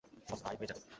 সস্তায় হয়ে যাবে।